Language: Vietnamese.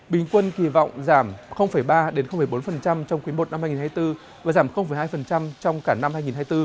bình quân kỳ vọng giảm ba bốn trong quý i năm hai nghìn hai mươi bốn và giảm hai trong cả năm hai nghìn hai mươi bốn